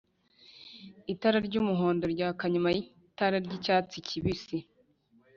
itara ry'umuhondo ryaka nyuma y'itara ry'icyatsi kibisi